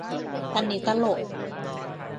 อันนี้ตลก